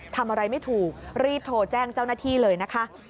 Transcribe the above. ทำอะไรไม่ถูกรีบโทรแจ้งเจ้าหน้าที่เลยนะคะ